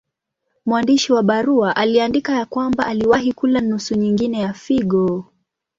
Mwandishi wa barua aliandika ya kwamba aliwahi kula nusu nyingine ya figo.